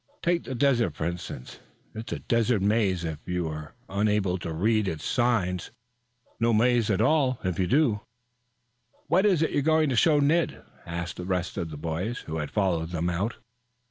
Take the desert for instance. It's a desert maze if you are unable to read its signs; no maze at all if you do." "What is it you were going to show Ned?" asked the rest of the boys, who had followed them out.